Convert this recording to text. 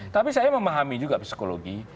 tapi saya memahami juga psikologi